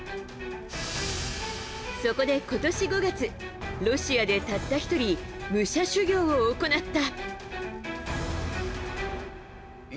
そこで今年５月ロシアでたった１人武者修行を行った。